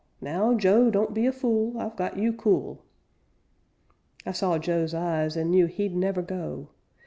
Now, Joe, don't be a fool! I've got you cool." I saw Joe's eyes, and knew he'd never go.